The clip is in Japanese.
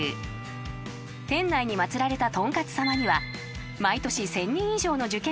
［店内に祭られたとんかつ様には毎年１，０００人以上の］